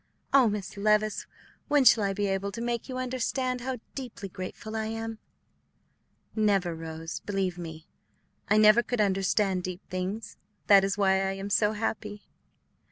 Oh, Miss Levice, when shall I be able to make you understand how deeply grateful I am?" "Never, Rose; believe me, I never could understand deep things; that is why I am so happy."